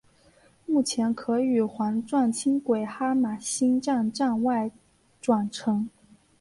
目前可与环状轻轨哈玛星站站外转乘。